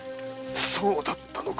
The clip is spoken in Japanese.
そうだったのか。